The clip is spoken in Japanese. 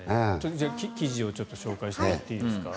記事を紹介してもらっていいですか。